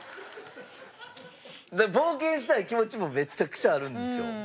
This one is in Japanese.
冒険したい気持ちもめちゃくちゃあるんですよ。